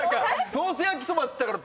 「ソース焼きそば」っつったから。